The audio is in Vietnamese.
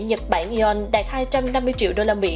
nhật bản ion đạt hai trăm năm mươi triệu đô la mỹ